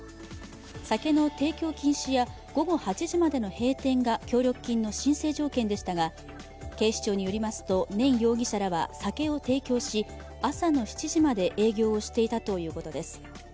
酒の提供禁止や午後８時までの閉店が協力金の申請条件でしたが、警視庁によりますと念容疑者らは酒を提供し、朝の７時まで営業をしていたということです。